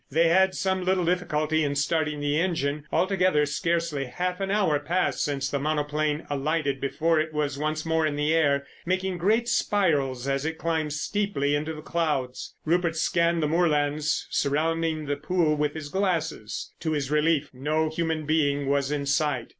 They had some little difficulty in starting the engine. Altogether, scarcely half an hour passed since the monoplane alighted before it was once more in the air making great spirals as it climbed steeply into the clouds. Rupert scanned the moorlands surrounding the pool with his glasses. To his relief no human being was in sight.